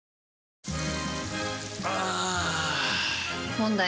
問題。